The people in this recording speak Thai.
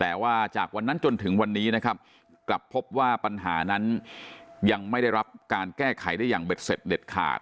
แต่ว่าจากวันนั้นจนถึงวันนี้นะครับกลับพบว่าปัญหานั้นยังไม่ได้รับการแก้ไขได้อย่างเบ็ดเสร็จเด็ดขาด